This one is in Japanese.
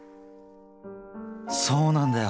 そうなんだよ。